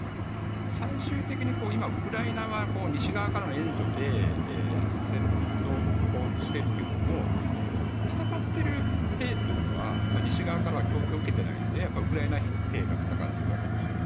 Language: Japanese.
最終的に、今ウクライナ側は西側からの援助で戦闘してるけれども戦っている兵というのは西側からは供給を受けていないわけでウクライナ兵が戦っているわけですよね。